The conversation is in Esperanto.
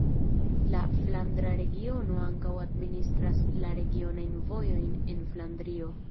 La Flandra Regiono ankaŭ administras la regionajn vojojn en Flandrio.